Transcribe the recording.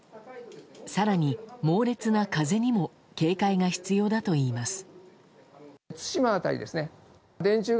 更に猛烈な風にも警戒が必要だといいます。